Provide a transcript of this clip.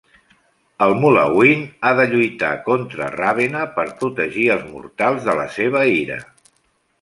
El "Mulawin" ha de lluitar contra "Ravena" per protegir els mortals de la seva ira.